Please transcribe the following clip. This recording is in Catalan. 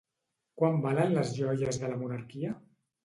Quant valen les joies de la monarquia?